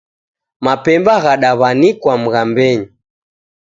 Mapemba ghadawanika mghambenyi